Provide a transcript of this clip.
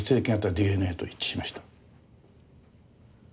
ＤＮＡと一致しました。